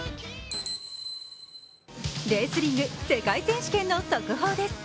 レスリング、世界選手権の速報です。